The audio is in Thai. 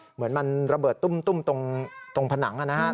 เหมือนมันระเบิดตุ้มตุ้มตรงผนังนะครับ